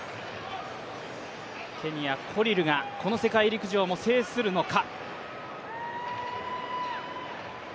ケニア、コリルがこの世界陸上も制するのか。